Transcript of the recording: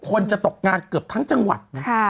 คนจะตกงานเกือบทั้งจังหวัดนะ